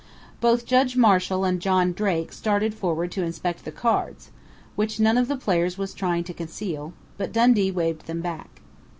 Both Judge Marshall and John Drake started forward to inspect the cards, which none of the players was trying to conceal, but Dundee waved them back.